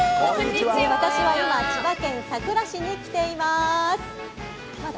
私は今千葉県佐倉市に来ています。